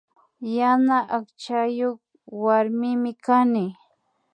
Yana akchayuk warmimi kani